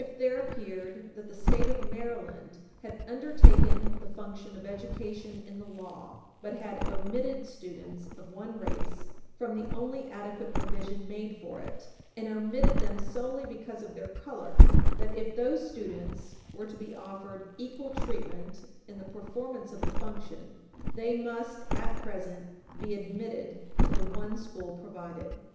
It there appeared that the State of Maryland had "undertaken the function of education in the law," but had "omitted students of one race from the only adequate provision made for it, and omitted them solely because of their color"; that, if those students were to be offered "equal treatment in the performance of the function, they must, at present, be admitted to the one school provided." Id.